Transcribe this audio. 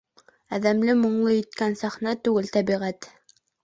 Әҙәмде моңло иткән сәхнә түгел - тәбиғәт.